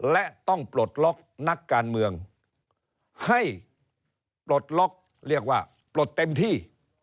และต้องปลดล็อกนักการเมืองให้ปลดล็อกเรียกว่าปลดเต็มที่